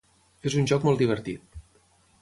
És un joc molt divertit.